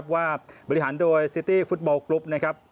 ว่าบริหารโดยซิตี้ฟุตบอลกรุ๊ป